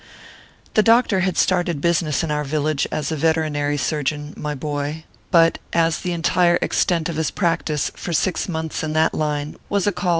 The doctor had started business in our village as a veterinary surgeon, my boy ; but, as the entire extent of his practice for six months in that line was a call 12 ORPHEUS C.